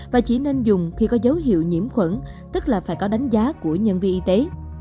và chỉ nên dùng khi có dấu hiệu nhiễm khuẩn tức là phải có đánh giá của nhân viên y tế